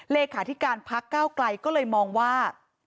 เลขาธิการพักก้าวไกลก็เลยมองว่า